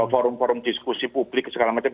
forum forum diskusi publik segala macam